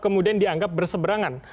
kemudian dianggap berseberangan